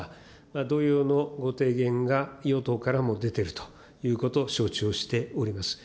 同様のご提言が与党からも出ているということ、承知をしております。